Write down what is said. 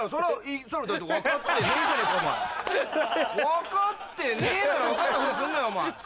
分かってねえだろ分かったふりすんなよお前。